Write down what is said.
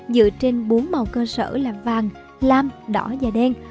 dựa trên bốn màu cơ sở là vàng lam đỏ và đen